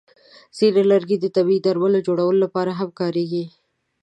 ځینې لرګي د طبیعي درملو جوړولو لپاره هم کارېږي.